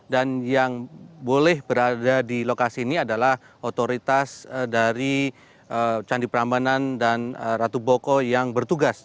dan yang boleh berada di lokasi ini adalah otoritas dari candi perambanan dan ratu boko yang bertugas